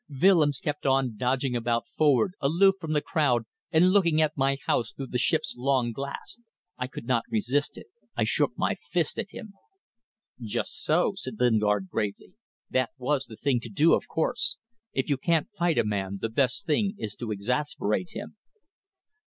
Willems kept on dodging about forward, aloof from the crowd, and looking at my house through the ship's long glass. I could not resist it. I shook my fist at him." "Just so," said Lingard, gravely. "That was the thing to do, of course. If you can't fight a man the best thing is to exasperate him."